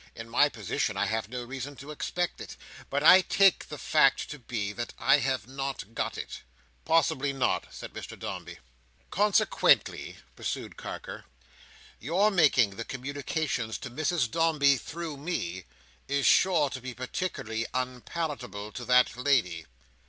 In my position, I have no reason to expect it; but I take the fact to be, that I have not got it?" "Possibly not," said Mr Dombey. "Consequently," pursued Carker, "your making the communications to Mrs Dombey through me, is sure to be particularly unpalatable to that lady?"